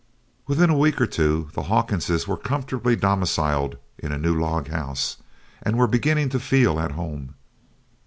Within a week or two the Hawkinses were comfortably domiciled in a new log house, and were beginning to feel at home.